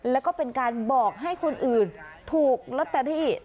แล้วก็เป็นการบอกให้คนอื่นถูกแล้วแต่ที่อีก